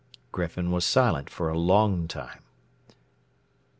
Griffin was silent for a long time.